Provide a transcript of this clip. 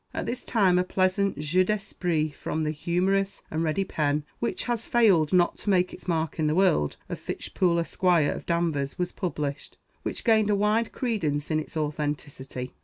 At this time a pleasant jeu d'esprit from the humorous and ready pen which has failed not to make its mark in the world of Fitch Poole, Esq., of Danvers, was published, which gained a wide credence in its authenticity.